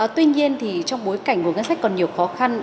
tuy nhiên thì trong bối cảnh của ngành đường sắt còn nhiều khó khăn